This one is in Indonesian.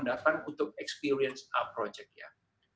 datang untuk mengalami proyek kami